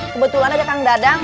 kebetulan ada kang dadang